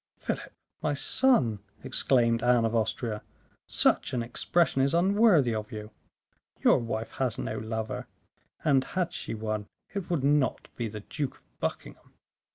"Philip, my son," exclaimed Anne of Austria, "such an expression is unworthy of you. Your wife has no lover; and, had she one, it would not be the Duke of Buckingham.